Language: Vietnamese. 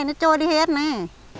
nó trôi đi hết này